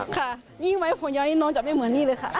ค่ะเอาจริงว่าผมเย็นนื่นน้องจะไม่เหมือนนี่เลยค่ะ